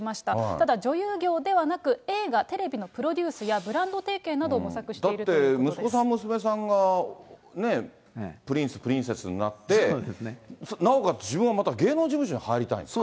ただ、女優業ではなく、映画、テレビのプロデュースやブランド提携などを模索しているというこだって、息子さん、娘さんがプリンス、プリンセスになって、なおかつ、自分はまた芸能事務所に入りたいんですか。